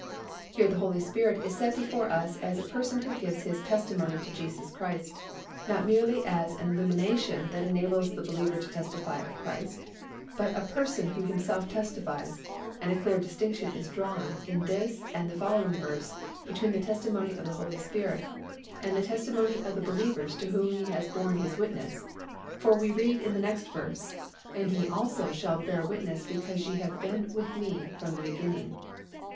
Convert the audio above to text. Here the Holy Spirit is set before us as a Person who gives His testimony to Jesus Christ, not merely as an illumination that enables the believer to testify of Christ, but a Person who Himself testifies; and a clear distinction is drawn in this and the following verse between the testimony of the Holy Spirit and the testimony of the believer to whom He has borne His witness, for we read in the next verse, "And ye also shall bear witness because ye have been with Me from the beginning."